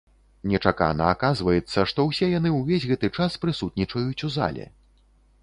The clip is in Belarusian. Нечакана аказваецца, што ўсе яны ўвесь гэты час прысутнічаюць у зале.